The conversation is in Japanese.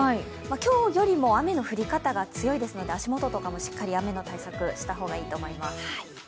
今日よりも雨の降り方が強いですので足元とかもしっかり雨の対策した方がいいと思います。